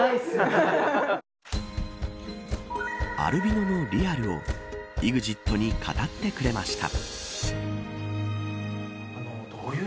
アルビノのリアルをＥＸＩＴに語ってくれました。